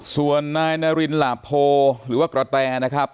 ส่วนนายนารินหลาโพหรือว่ากระแตนะครับ